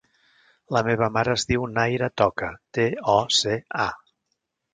La meva mare es diu Nayra Toca: te, o, ce, a.